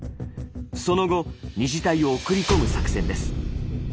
その後２次隊を送り込む作戦です。